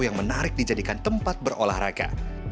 yang menarik dijadikan tempat berolahraga